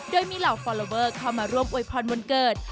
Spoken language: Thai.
โดยมีเหล่าฟอลลอเวอร์เข้ามาร่วมอวยพรวันเกิด